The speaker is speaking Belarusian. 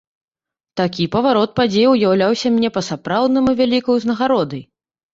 Такі паварот падзей уяўляўся мне па-сапраўднаму вялікай узнагародай.